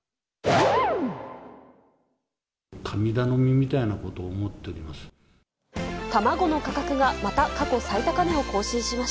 神頼みみたいなことを思ってハフハフ